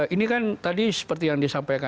ini kan tadi seperti yang disampaikan